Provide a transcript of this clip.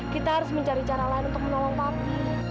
kita harus mencari cara lain untuk menolong papi